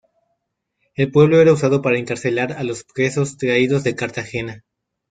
El pueblo era usado para encarcelar a los presos traídos de Cartagena.